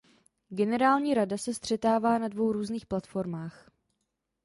Generální rada se střetává na dvou různých platformách.